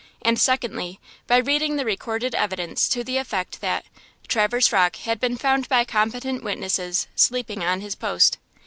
And secondly, by reading the recorded evidence to the effect that: Traverse Rocke had been found by competent witnesses sleeping on his post.